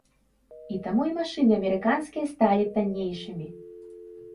І таму і машыны амерыканскія сталі таннейшымі.